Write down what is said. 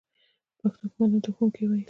په پښتو کې معلم ته ښوونکی ویل کیږی.